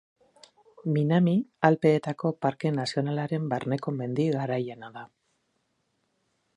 Minami Alpeetako Parke Nazionalaren barneko mendi garaiena da.